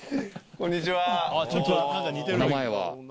こんにちは。